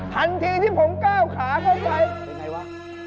ทันทีที่ผมก้าวขาเข้าไปยังไงวะ